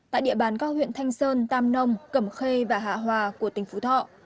tại địa bàn các huyện thanh sơn tam nông cẩm khê và hạ hòa của tỉnh phú thọ